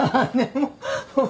もう。